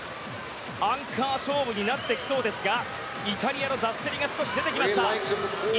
アンカー勝負になってきそうですがイタリアが少し出てきました。